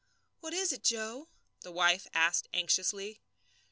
"What is it, Joe?" the wife asked anxiously.